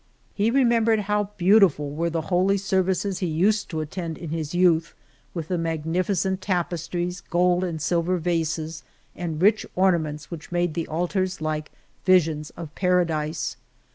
He remembered how beautiful were the holy services he used to attend in his youth, with the magnificent tapestries, gold and silver vases, and rich ornaments which made the altars like visions of paradise.